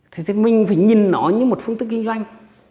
thế thì mình phải nhìn nó như một phương thức kinh doanh